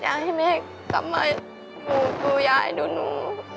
อยากให้แม่กลับมาดูยายดูหนู